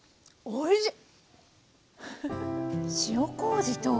おいしい。